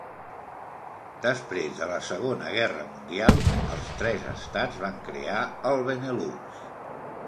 Després de la Segona Guerra Mundial els tres estats van crear el Benelux.